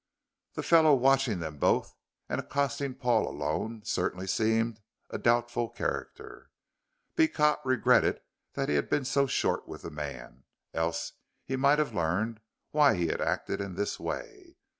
The fellow watching them both and accosting Paul alone certainly seemed a doubtful character. Beecot regretted that he had been so short with the man, else he might have learned why he had acted in this way.